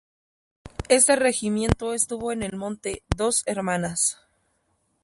Este Regimiento estuvo en el monte Dos Hermanas.